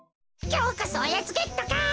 きょうこそおやつゲットか。